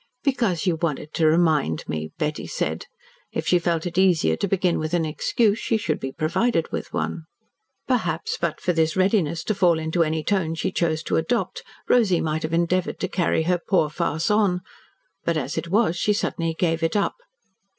"Because you wanted to remind me," Betty said. If she felt it easier to begin with an excuse she should be provided with one. Perhaps but for this readiness to fall into any tone she chose to adopt Rosy might have endeavoured to carry her poor farce on, but as it was she suddenly gave it up.